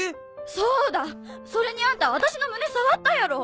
そうだそれにあんた私の胸触ったやろ！